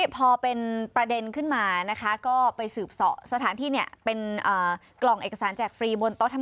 เป็นภาพจริงอยู่ในกล่องเอกสารแจกฟรี